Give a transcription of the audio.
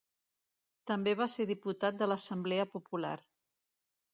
També va ser diputat de l'Assemblea Popular.